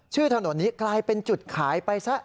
ถนนนี้กลายเป็นจุดขายไปซะ